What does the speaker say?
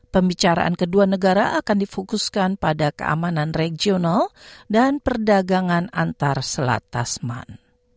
pembicaraan kedua negara akan difokuskan pada keamanan regional dan perdagangan antar selat tasman